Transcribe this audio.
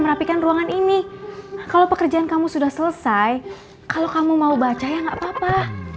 merapikan ruangan ini kalau pekerjaan kamu sudah selesai kalau kamu mau baca ya nggak apa apa